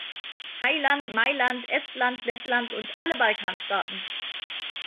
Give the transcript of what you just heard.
Heiland, Mailand, Estland, Lettland und alle Balkanstaaten!